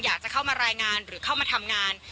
อยากจะเข้ามารายงานหรือเข้ามาทำงาน